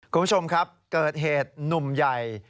คุณผู้ชมครับเกิดเหตุหนุ่มใหญ่